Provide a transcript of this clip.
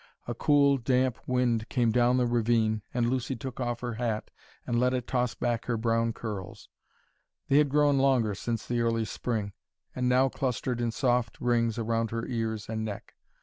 A cool, damp wind came down the ravine and Lucy took off her hat and let it toss back her brown curls. They had grown longer since the early Spring, and now clustered in soft rings around her ears and neck.